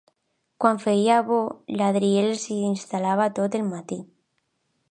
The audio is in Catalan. Quan feia bo, l'Adriel s'hi instal·lava tot el matí.